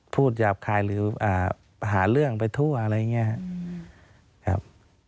หยาบคายหรือหาเรื่องไปทั่วอะไรอย่างนี้ครับ